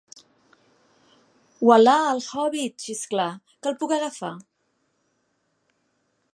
Ual·la, “El hòbbit” —xisclà— Que el puc agafar?